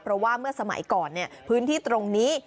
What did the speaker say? เพราะว่าเมื่อสมัยก่อนพื้นที่ตรงนี้